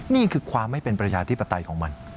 นี่คือความไม่เป็นประชาธิปไตยของมัน